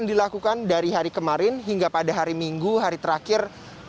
yang dilakukan dari hari kemarin hingga pada hari minggu hari terakhir